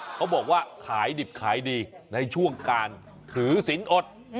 เขาบอกว่าขายดิบขายดีในช่วงการถือสินอด